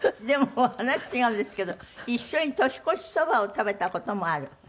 でも話違うんですけど一緒に年越しそばを食べた事もある？